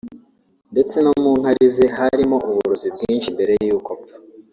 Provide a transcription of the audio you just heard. ndetse no mu nkari ze harimo uburozi bwinshi mbere y’uko apfa